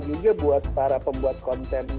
juga buat para pembuat konten